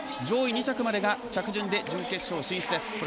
上位２着までが着順で準決勝進出です。